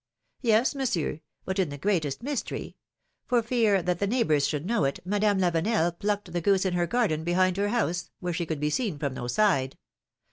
'^Yes, Monsieur; but in the greatest mystery ! For fear that the neighbors should know it, Madame Lavenel plucked the goose in her garden behind her house, where she could be seen from no side.